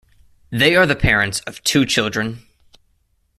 They are the parents of two children.